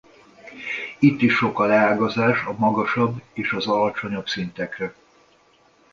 Itt is sok a leágazás a magasabb és az alacsonyabb szintekre.